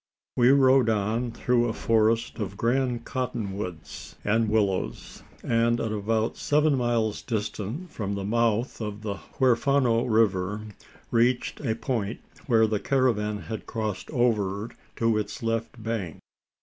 We rode on through a forest of grand cotton woods and willows; and at about seven miles distant from the mouth of the Huerfano river, reached a point, where the caravan had crossed over to its left bank.